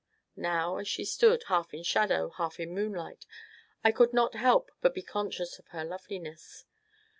Now, as she stood, half in shadow, half in moonlight, I could not help but be conscious of her loveliness.